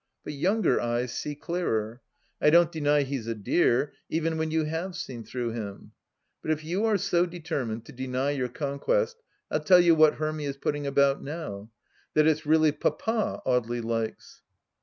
But younger eyes see clearer. I don't deny he's a dear, even when you have seen through him. But if you are so deter mined to deny your conquest, I'll tell you what Hermy is putting about, now — ^that it's really Papa Audely likes